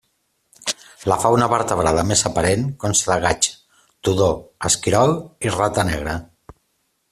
La fauna vertebrada més aparent consta de gaig, tudó, esquirol i rata negra.